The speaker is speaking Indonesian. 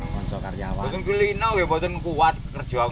ketika kita membeli ini kita harus kuat kerjaan